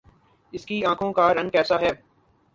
اس کی آنکھوں کا رنگ کیسا ہے